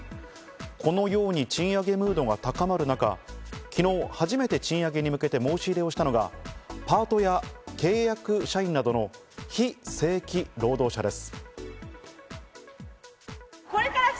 このように賃上げムードが高まる中、昨日、初めて賃上げに向けて申し入れをしたのが、パートや契約社員などの非正規労働者です。